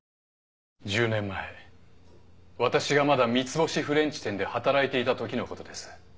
１０年前私がまだ三つ星フレンチ店で働いていたときのことです。